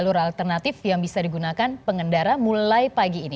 jalur alternatif yang bisa digunakan pengendara mulai pagi ini